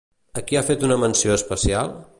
A qui ha fet una menció especial?